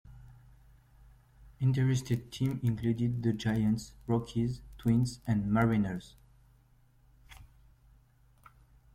Interested teams included the Giants, Rockies, Twins, and Mariners.